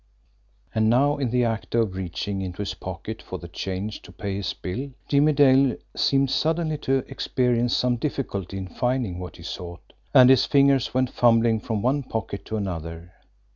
And now, in the act of reaching into his pocket for the change to pay his bill, Jimmie Dale seemed suddenly to experience some difficulty in finding what he sought, and his fingers went fumbling from one pocket to another.